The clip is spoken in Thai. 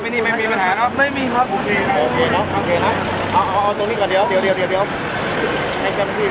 โปรดติดตามตอนต่อไป